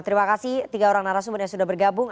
terima kasih tiga orang narasumber yang sudah bergabung